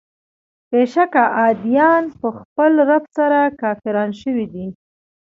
بېشکه عادیان په خپل رب سره کافران شوي دي.